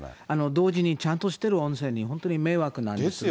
同時に、ちゃんとしてる温泉に本当に迷惑なんですが。